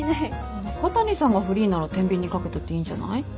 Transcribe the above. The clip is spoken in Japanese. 中谷さんがフリーなら天秤にかけたっていいんじゃない？